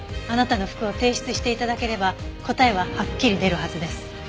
あなたの服を提出して頂ければ答えははっきり出るはずです。